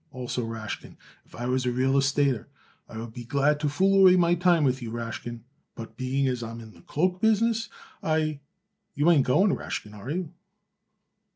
Also, Rashkin, if I was a real estater I would be glad to fool away my time with you, Rashkin, but being as I am in the cloak business I you ain't going, Rashkin, are you?"